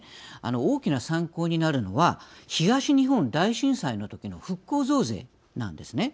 大きな参考になるのは東日本大震災のときの復興増税なんですね。